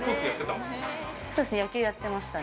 野球をやってました。